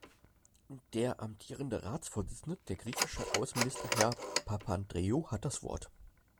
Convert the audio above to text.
Der amtierende Ratsvorsitzende, der griechische Außenminister Herr Papandreou, hat das Wort.